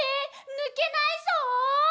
ぬけないぞ！！」